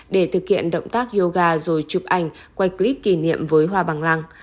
để thực hiện động tác yoga rồi chụp ảnh quay clip kỷ niệm với hoa bằng lăng